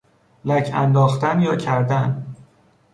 لک انداختن یا کردن